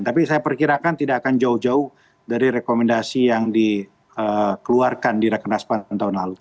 tapi saya perkirakan tidak akan jauh jauh dari rekomendasi yang dikeluarkan di rekenas pan tahun lalu